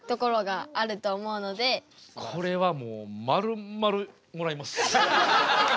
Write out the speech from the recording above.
これはもうまるまるもらいます。